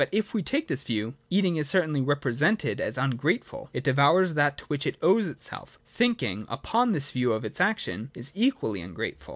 If we talte this view, eating is certainly represented as ungrateful : it devours that to which it owes itself Thinking, upon this view of its action, is equally ungrateful.